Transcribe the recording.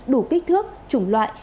đủ kích thước chủng loại